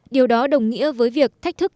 điều đó đồng nghĩa với việc thách thức